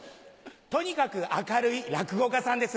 とにかく明るい落語家さんです。